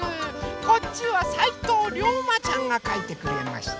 こっちはさいとうりょうまちゃんがかいてくれました。